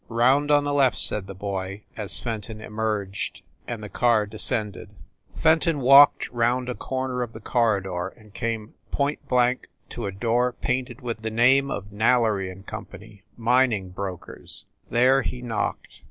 "Round on the left," said the boy, as Fenton emerged, and the car descended. 206 FIND THE WOMAN Fenton walked round a corner of the corridor and came point blank to a door painted with the name of "Nailery & Co., Mining Brokers." There he knocked.